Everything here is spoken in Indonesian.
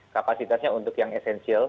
kapasitasnya untuk yang esensial